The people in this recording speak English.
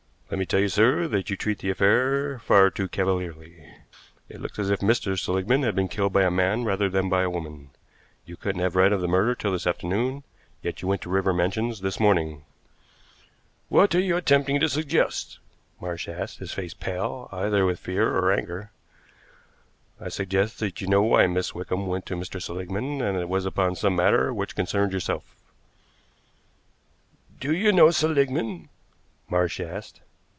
"Let me tell you, sir, that you treat the affair far too cavalierly. It looks as if Mr. Seligmann had been killed by a man rather than by a woman. You couldn't have read of the murder till this afternoon, yet you went to River Mansions this morning." "What are you attempting to suggest?" Marsh asked, his face pale, either with fear or anger. "I suggest that you know why Miss Wickham went to Mr. Seligmann and that it was upon some matter which concerned yourself." "Do you know Seligmann?" Marsh asked.